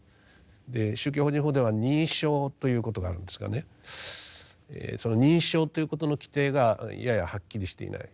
で宗教法人法では認証ということがあるんですがねその認証ということの規定がややはっきりしていない。